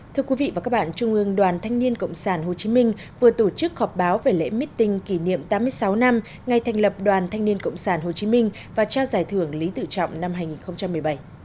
thưa quý vị và các bạn trung ương đoàn thanh niên cộng sản hồ chí minh vừa tổ chức họp báo về lễ meeting kỷ niệm tám mươi sáu năm ngày thành lập đoàn thanh niên cộng sản hồ chí minh và trao giải thưởng lý tự trọng năm hai nghìn một mươi bảy